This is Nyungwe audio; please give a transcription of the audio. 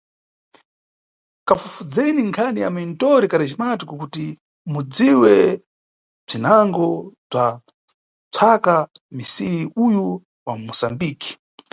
Kafufudzeni nkhani na Mentor Carismático kuti mudziwe bzwinango bzwa tswaka misiri uyu wa Musambiki.